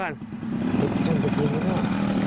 อันนี้เป็นจริงนะครับของใจก่อน